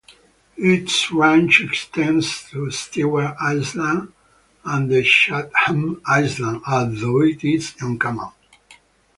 Its range extends to Stewart Island and the Chatham Islands although it is uncommon.